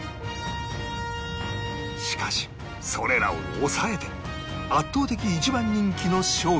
しかしそれらを抑えて圧倒的一番人気の商品が